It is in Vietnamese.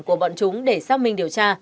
của bọn chúng để xác minh điều tra